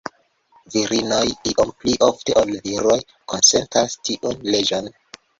Virinoj iom pli ofte ol viroj konsentas tiun leĝon.